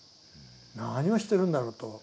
何をしてるんだろうと。